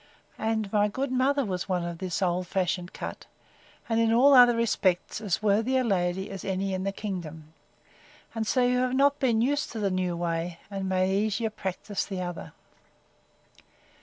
And my good mother was one of this oldfashioned cut, and, in all other respects, as worthy a lady as any in the kingdom. And so you have not been used to the new way, and may the easier practise the other.